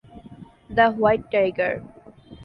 The white tiger.